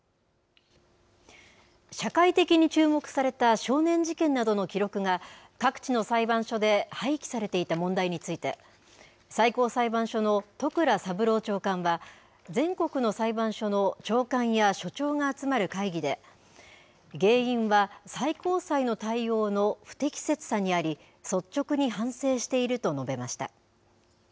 社会的に注目された少年事件などの記録が、各地の裁判所で廃棄されていた問題について、最高裁判所の戸倉三郎長官は、全国の裁判所の長官や所長が集まる会議で、原因は最高裁の対応の不適切さにあり、率直に反省していると述べました。